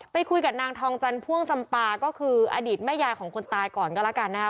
ไปคุยกับนางทองจันทร์พ่วงจำปาก็คืออดีตแม่ยายของคนตายก่อนก็แล้วกันนะคะ